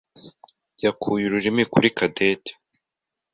yakuye ururimi kuri Cadette.